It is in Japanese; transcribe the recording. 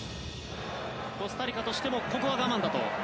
コスタリカとしてもここは我慢だと。